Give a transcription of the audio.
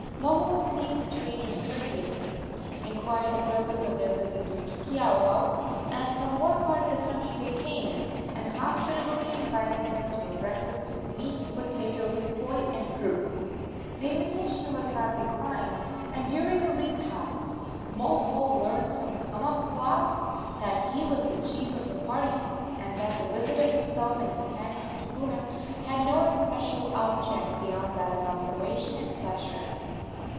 Moho received the strangers courteously, inquired the purpose of their visit to Keauhou and from what part of the country they came, and hospitably invited them to a breakfast of meat, potatoes, poi and fruits. The invitation was not declined, and during the repast Moho learned from Kamapuaa that he was the chief of the party, and that the visit of himself and companions to Puna had no especial object beyond that of observation and pleasure.